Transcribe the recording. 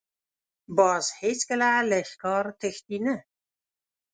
باز هېڅکله له ښکار تښتي نه